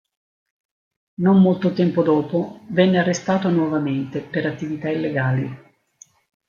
Non molto tempo dopo venne arrestato nuovamente per attività illegali.